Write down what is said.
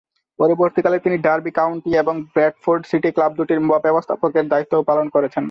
পরবর্তীকালে তিনি Derby County এবং ব্র্যাডফোর্ড সিটি ক্লাব দুটির ব্যবস্থাপকের দায়িত্ব-ও পালন করেছেন।